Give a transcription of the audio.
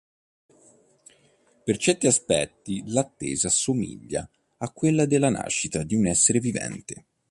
Per certi aspetti l’attesa assomiglia a quella della nascita di un essere vivente.